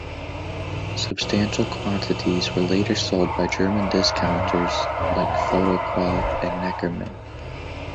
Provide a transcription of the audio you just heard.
Substantial quantities were later sold by German discounters like Foto-Quelle and Neckermann.